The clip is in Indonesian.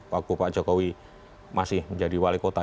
waktu pak jokowi masih menjadi wali kota